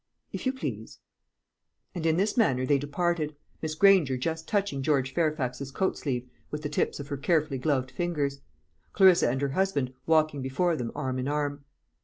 "If you please." And in this manner they departed, Miss Granger just touching George Fairfax's coat sleeve with the tips of her carefully gloved fingers; Clarissa and her husband walking before them, arm in arm.